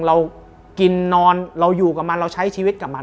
เรากินนอนเราอยู่กับมันเราใช้ชีวิตกับมัน